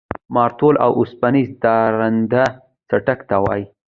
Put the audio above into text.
مارتول اوسپنیز درانده څټک ته وایي.